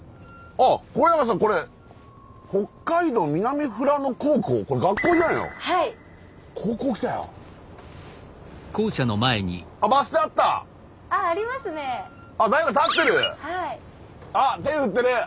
あっ手振ってる！